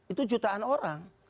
itu jutaan orang